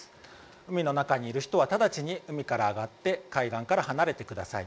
海の中にいる人は直ちに海から上がって海岸から離れてください。